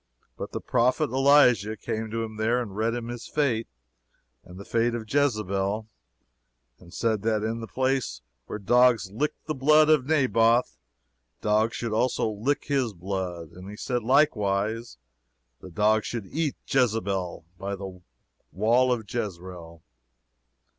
But the Prophet Elijah came to him there and read his fate to him, and the fate of Jezebel; and said that in the place where dogs licked the blood of Naboth, dogs should also lick his blood and he said, likewise, the dogs should eat Jezebel by the wall of Jezreel.